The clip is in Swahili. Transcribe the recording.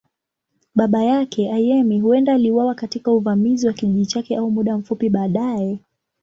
Baba yake, Ayemi, huenda aliuawa katika uvamizi wa kijiji chake au muda mfupi baadaye.